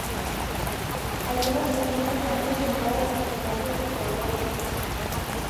Algunos pacientes han presentado taquicardia, cefalea y ansiedad.